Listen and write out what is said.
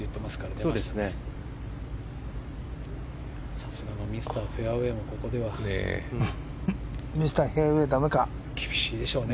さすがのミスターフェアウェーもここではね。